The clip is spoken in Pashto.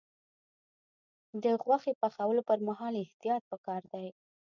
د غوښې پخولو پر مهال احتیاط پکار دی.